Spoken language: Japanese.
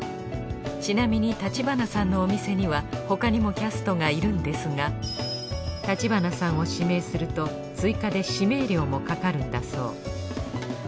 ちなみに橘さんのお店には他にもキャストがいるんですが橘さんを指名すると追加で指名料もかかるんだそう。